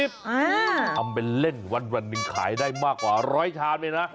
ทำเป็นเล่นวันหนึ่งขายได้มากกว่าร้อยชามเลยนะ